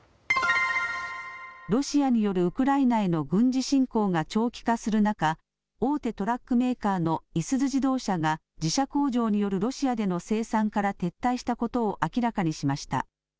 ロシアによるウクライナへの軍事侵攻が長期化する中、大手トラックメーカーのいすゞ自動車が自社工場によるロシアでの生産から撤退したことを明らかにしました。